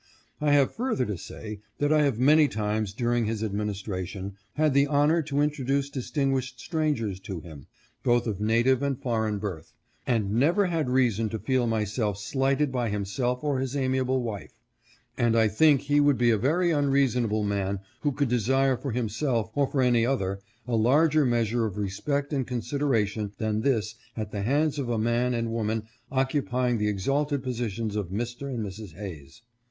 I have further to say that I have many times during his administration had the honor to introduce distinguished strangers to him, both of native and foreign birth, and never had reason to feel myself slighted by himself or his amiable wife ; and I think he would be a very unreason able mail who could desire for himself, or for any other, a larger measure of respect and consideration than this HIS RETENTION IN OFFICE. 519 at the hands of a man and woman occupying the exalted positions of Mr. and Mrs. Hayes.